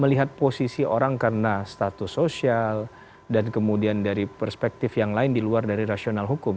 melihat posisi orang karena status sosial dan kemudian dari perspektif yang lain di luar dari rasional hukum